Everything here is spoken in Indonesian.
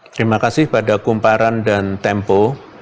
terima kasih pada kumparan dan tempo